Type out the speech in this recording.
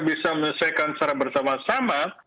bisa menyelesaikan secara bersama sama